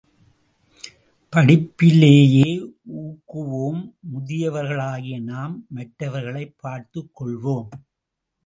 படிப்பிலேயே ஊக்குவோம் முதியவர்களாகிய நாம் மற்றவற்றைப் பார்த்துக்கொள்வோம்.